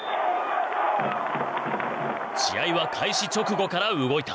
試合は開始直後から動いた。